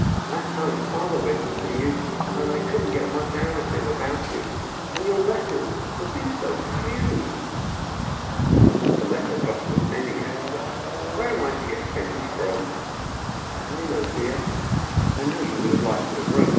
That time father went to see you I couldn't get much out of him about you, and your own letters have been so few." "A letter costs a penny, Esther. Where am I to get pennies from?" "I know, dear. I know you would have liked to write.